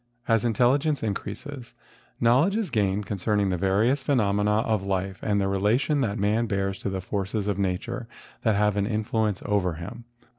As intelligence increases, knowledge is gained concerning the various phenomena of life and the relation that man bears to the forces of nat¬ ure that have an influence over him.